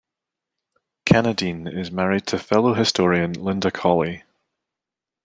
Cannadine is married to fellow historian Linda Colley.